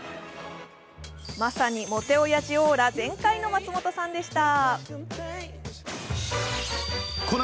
まさにモテオヤジオーラ全開の松本さんでした。